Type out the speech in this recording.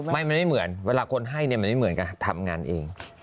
ไม่ไม่เหมือนเวลาคนให้ไม่เหมือนกันทำงานเอง